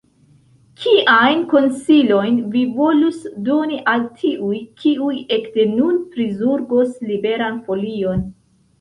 Kiajn konsilojn vi volus doni al tiuj, kiuj ekde nun prizorgos Liberan Folion?